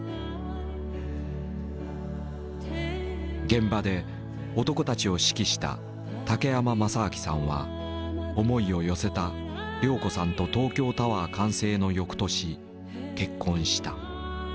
現場で男たちを指揮した竹山正明さんは思いを寄せた亮子さんと東京タワー完成の翌年結婚した。